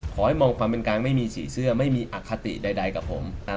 ขอให้มองความเป็นการไม่มีสีเสื้อไม่มีอคติใดกับผม